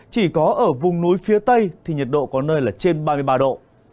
chỉ có ở vùng núi phía tây thì nhiệt độ có nơi là trên ba mươi ba độ